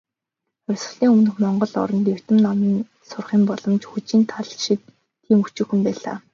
Хувьсгалын өмнөх монгол оронд, эрдэм ном сурахын боломж "хүжийн гал" шиг тийм өчүүхэн байлаа.